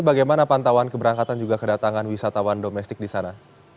bagaimana pantauan keberangkatan juga kedatangan wisatawan domestik disana